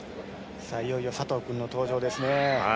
いよいよ佐藤君の登場ですね。